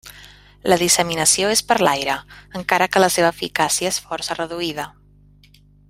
La disseminació és per l'aire, encara que la seva eficàcia és força reduïda.